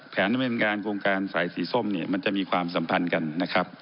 แผนดำเนินการโครงการสายสีส้มเนี่ยมันจะมีความสัมพันธ์กันนะครับ